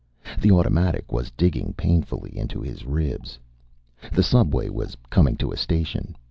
The automatic was digging painfully into his ribs. The subway was coming to a station.